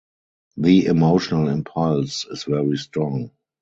The emotional impulse is very strong.